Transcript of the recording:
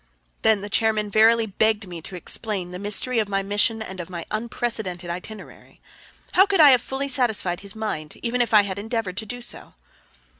Then the chairman verily begged me to explain the mystery of my mission and of my unprecedented itinerary. How could I have fully satisfied his mind, even if I had endeavored to do so!